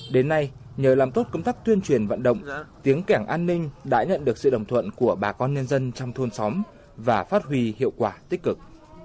đến nay nhờ làm tốt công tác tuyên truyền vận động tiếng kẻng an ninh đã nhận được sự đồng thuận của bà con nhân dân trong thôn xóm và phát huy hiệu quả tích cực